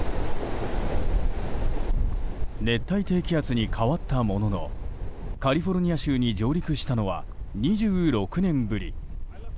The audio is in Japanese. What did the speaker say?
熱帯低気圧に変わったもののカリフォルニア州に上陸したのは２６年ぶり。